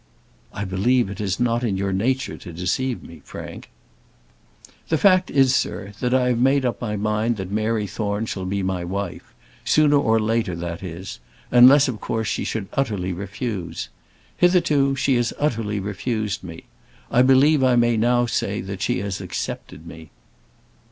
"I believe it is not in your nature to deceive me, Frank." "The fact is, sir, that I have made up my mind that Mary Thorne shall be my wife sooner or later that is, unless, of course, she should utterly refuse. Hitherto, she has utterly refused me. I believe I may now say that she has accepted me."